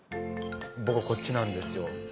僕こっちなんですよ。